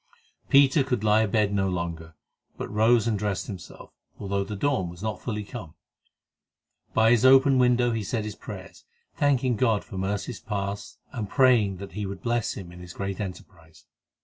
Peter could lie abed no longer, but rose and dressed himself, although the dawn was not fully come. By his open window he said his prayers, thanking God for mercies past, and praying that He would bless him in his great emprise.